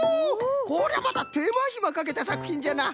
これはまたてまひまかけたさくひんじゃな。